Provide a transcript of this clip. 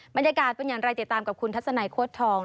บรรยากาศเป็นอย่างไรติดตามกับคุณทัศนัยโค้ดทอง